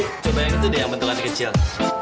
bu coba yang itu deh yang bentukannya kecil